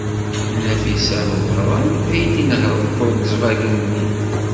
D Nafisa n Ubeṛṛan ad inehṛen Volkswagen-nni.